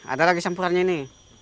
ada lagi sampurannya ini